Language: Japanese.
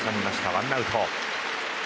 ワンアウト。